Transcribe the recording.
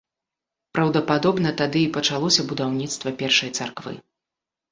Праўдападобна тады і пачалося будаўніцтва першай царквы.